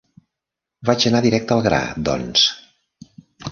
Vaig anar directe al gra, doncs.